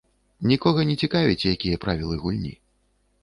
Нікога не цікавяць, якія правілы гульні.